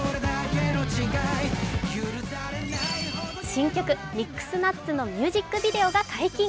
新曲「ミックスナッツ」のミュージックビデオが解禁。